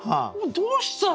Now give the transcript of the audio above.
どうしたの！？